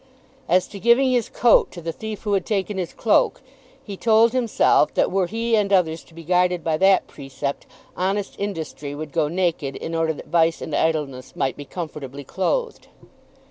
As to giving his coat to the thief who had taken his cloak, he told himself that were he and others to be guided by that precept honest industry would go naked in order that vice and idleness might be comfortably clothed.